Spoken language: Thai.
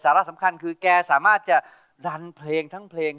สำคัญคือแกสามารถจะดันเพลงทั้งเพลง